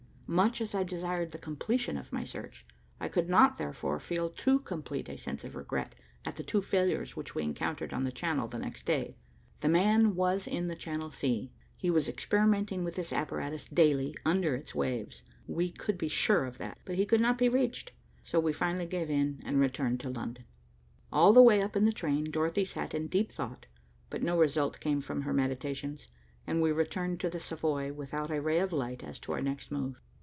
Much as I desired the completion of my search, I could not therefore feel too complete a sense of regret at the two failures which we encountered on the Channel the next day. The man was in the Channel sea. He was experimenting with his apparatus daily under its waves. We could be sure of that, but he could not be reached, so we finally gave in and returned to London. All the way up in the train, Dorothy sat in deep thought, but no result came from her meditations, and we returned to the Savoy without a ray of light as to our next move.